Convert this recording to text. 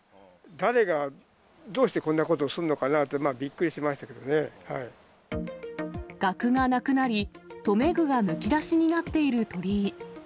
誰がどうしてこんなことをするのかなって、びっくりしましたけど額がなくなり、留め具がむき出しになっている鳥居。